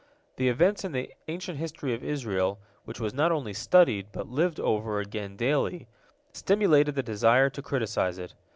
The events in the ancient history of Israel, which was not only studied, but lived over again daily, stimulated the desire to criticize it.